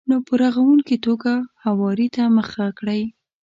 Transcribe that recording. نو په رغونکې توګه هواري ته مخه کړئ.